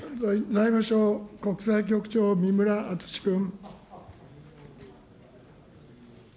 財務省国際局長、三村淳君。